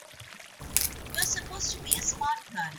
You're supposed to be a smart guy!